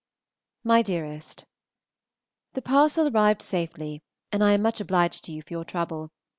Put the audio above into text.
MY DEAREST, The parcel arrived safely, and I am much obliged to you for your trouble.